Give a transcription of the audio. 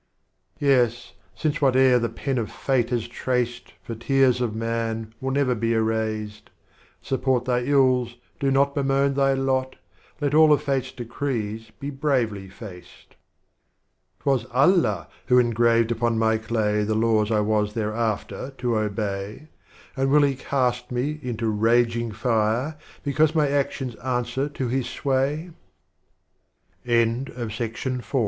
Yes, since wbate'er the Pen of Fate has traced For Tears of Man will never be erased, Support thy Ills, do not bemoan thy Lot, Let all of Fate's Decrees be bravely faced. V. 'T was Allah who engraved upon my Clay The Laws I was thereafter to obey, And will He cast me into Raging Fire Because my Actions